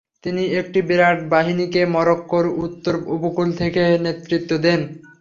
তিনি একটি বিরাট বাহিনীকে মরক্কোর উত্তর উপকূল থেকে নেতৃত্ব দেন।